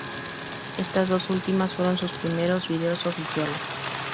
Estas dos últimas fueron, sus primeros videos oficiales.